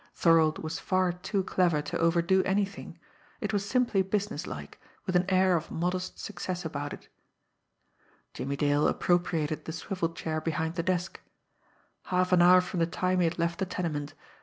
Thorold was far too clever to overdo anything it was simply businesslike, with an air of modest success about it. Jimmie Dale appropriated the swivel chair behind the desk. Half an hour from the time he had left the tenement!